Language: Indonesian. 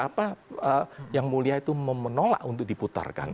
apa yang mulia itu menolak untuk diputarkan